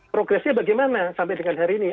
progresnya bagaimana sampai dengan hari ini